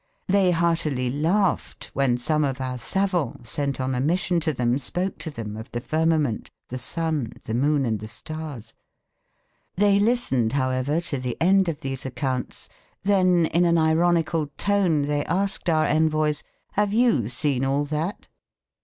They heartily laughed when some of our savants sent on a mission to them spoke to them of the firmament, the sun, the moon and the stars.... They listened, however, to the end of these accounts, then in an ironical tone they asked our envoys: "Have you seen all that?"